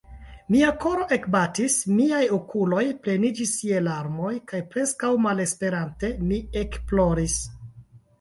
Mia koro ekbatis, miaj okuloj pleniĝis je larmoj kaj preskaŭ malesperante, mi ekploris.